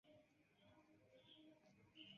Ĝi ricevis la nomon de la legenda reĝo Arturo.